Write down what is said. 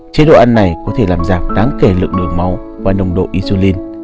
chế độ ăn này có thể làm giảm đáng kể lượng đường máu và nồng độ isulin